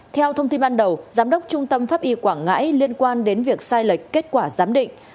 theo thông tin ban đầu giám đốc trung tâm pháp y quảng ngãi liên quan đến việc sai lệch kết quả giám định